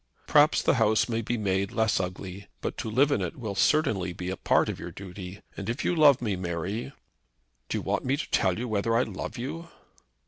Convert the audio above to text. "Perhaps the house may be made less ugly; but to live in it will certainly be a part of your duty. And if you love me, Mary " "Do you want me to tell you whether I love you?"